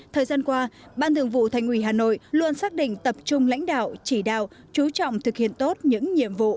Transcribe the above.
thời gian qua ban thường vụ thành ủy hà nội luôn xác định tập trung lãnh đạo chỉ đạo chú trọng thực hiện tốt những nhiệm vụ